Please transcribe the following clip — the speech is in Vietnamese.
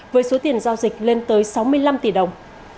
với số tiền giao dịch lên tới sáu mươi năm tỷ đồng